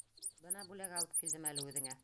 Бына бүләк алып килдем әле үҙеңә.